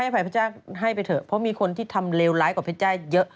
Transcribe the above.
เพราะมีคนที่ทำเลวร้ายกว่าพระเจ้าเยอะ